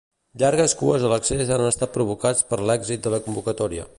Llargues cues a l'accés han estat provocats per l'èxit de convocatòria.